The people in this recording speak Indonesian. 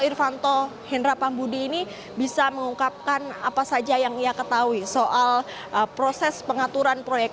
irvanto hendra pambudi ini bisa mengungkapkan apa saja yang ia ketahui soal proses pengaturan proyek